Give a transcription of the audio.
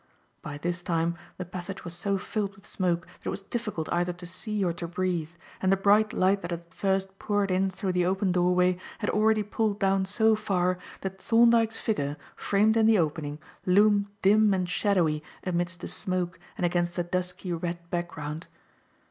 By this time the passage was so filled with smoke that it was difficult either to see or to breathe, and the bright light that had at first poured in through the open doorway had already pulled down so far that Thorndyke's figure, framed in the opening, loomed dim and shadowy amidst the smoke and against the dusky red background.